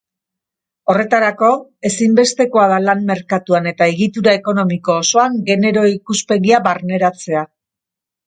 Horretarako, ezinbestekoa da lan-merkatuan eta egitura ekonomiko osoan genero ikuspegia barneratzea.